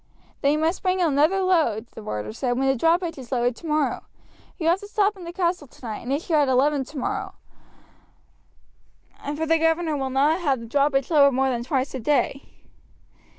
"Then you must bring another load," the warder said, "when the drawbridge is lowered tomorrow. You will have to stop in the castle tonight, and issue out at eleven tomorrow, for the governor will not have the drawbridge lowered more than twice a day."